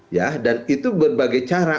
ya dan itu berbagai cara